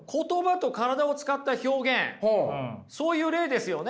そういう例ですよね。